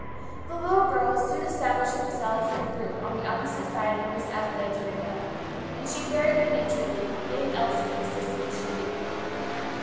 The little girls soon established themselves in a group on the opposite side of Miss Adelaide's window, and she very good naturedly gave Elsie the assistance she needed.